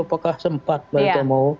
apakah sempat mereka mau